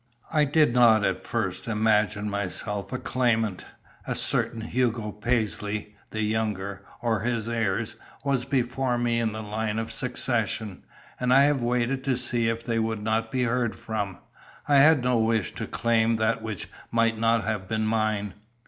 I did not at first imagine myself a claimant; a certain Hugo Paisley, the younger, or his heirs, was before me in the line of succession, and I have waited to see if they would not be heard from. I had no wish to claim that which might not have been mine."